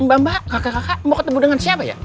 mbak mbak kakak kakak mau ketemu dengan siapa ya